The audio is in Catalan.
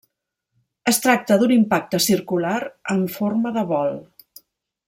Es tracta d'un impacte circular amb forma de bol.